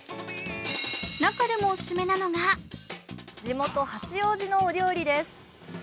中でもお勧めなのが地元・八王子のお料理です。